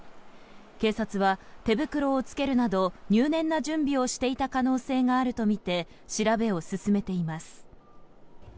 警察は手袋を着けるなど入念な準備をしていた可能性があるとみて調べを進めています。